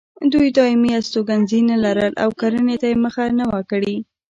دوی دایمي استوګنځي نه لرل او کرنې ته یې مخه نه وه کړې.